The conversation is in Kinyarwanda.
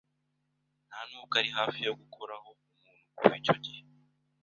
Ntanubwo ari hafi yo gukoraho umuntu kuva icyo gihe